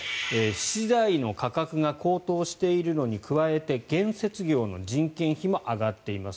資材の価格が高騰しているのに加えて建設業の人件費も上がっています